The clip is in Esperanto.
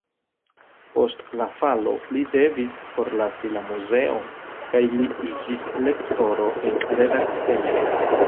Post la falo li devis forlasi la muzeon kaj li iĝis lektoro en redaktejo.